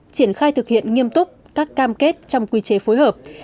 triển khai thực hiện nghiêm túc các cam kết trong quy chế phối hợp